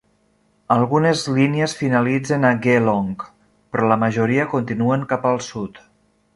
Algunes línies finalitzen a Geelong, però la majoria continuen cap al sud.